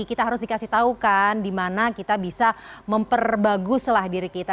kita harus dikasih tau kan di mana kita bisa memperbaguslah diri kita